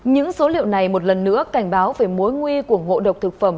những số liệu này một lần nữa cảnh báo về mối nguy của ngộ độc thực phẩm